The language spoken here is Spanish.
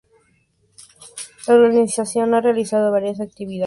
La organización ha realizado varias actividades para promover la campaña.